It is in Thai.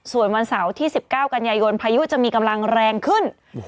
ส่วนวันเสาร์ที่๑๙กันยายนพายุจะมีกำลังแรงขึ้น